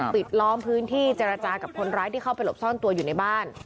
ปิดล้อมพื้นที่เจรจากับคนร้ายที่เข้าไปหลบซ่อนตัวอยู่ในบ้าน